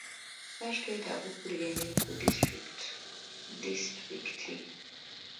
Lwaki twetaaga akulira emirimu ku disitulikiti?